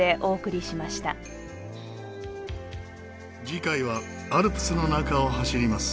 次回はアルプスの中を走ります。